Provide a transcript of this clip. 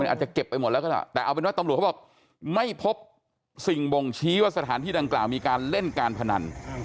อาจจะเก็บไปหมดแล้วก็แล้วแต่เอาเป็นว่าตำรวจเขาบอกไม่พบสิ่งบ่งชี้ว่าสถานที่ดังกล่าวมีการเล่นการพนัน